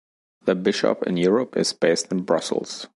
The Bishop in Europe is based in Brussels.